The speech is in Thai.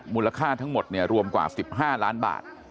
มูลค่าทั้งหมดรวมกว่า๑๕ล้านบาท